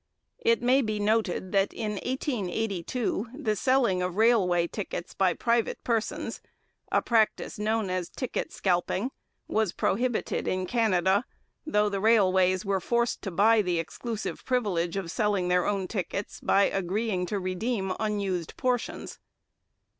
It may be noted that in 1882 the selling of railway tickets by private persons, a practice known as 'ticket scalping,' was prohibited in Canada, though the railways were forced to buy the exclusive privilege of selling their own tickets by agreeing to redeem unused portions.